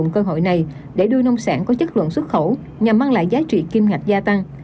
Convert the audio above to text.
cơ hội này để đưa nông sản có chất lượng xuất khẩu nhằm mang lại giá trị kim ngạch gia tăng